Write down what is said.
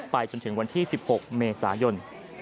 จนถึงวันที่๑๖เมษายน